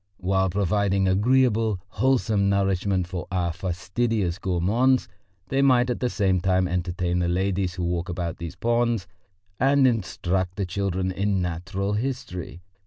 While providing agreeable, wholesome nourishment for our fastidious gourmands, they might at the same time entertain the ladies who walk about these ponds and instruct the children in natural history.